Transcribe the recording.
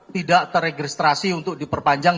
tidak teregistrasi untuk diperpanjang